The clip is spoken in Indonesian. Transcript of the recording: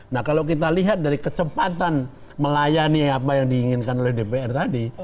nah kalau kita lihat dari kecepatan melayani apa yang diinginkan oleh dpr tadi